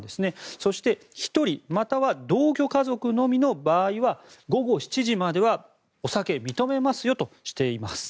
そして、１人または同居家族のみの場合は午後７時まではお酒、認めますよとしています。